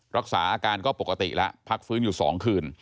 รักษาอาการก็ปกติแล้วพักฟื้นอยู่๒คืน